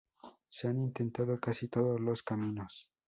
se han intentado casi todos los caminos